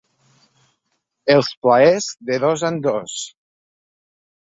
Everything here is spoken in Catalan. Els plaers, de dos en dos